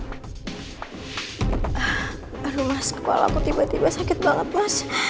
aduh mas kepala aku tiba tiba sakit banget mas